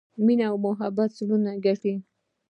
مینه او محبت زړونه ګټي.